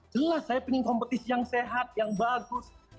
jelas saya ingin kompetisi yang sehat yang bagus